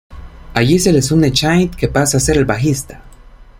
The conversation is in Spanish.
Allí se les une Shin, que pasa a ser el bajista.